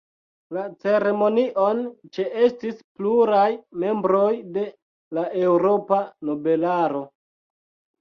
La ceremonion ĉeestis pluraj membroj de la eŭropa nobelaro.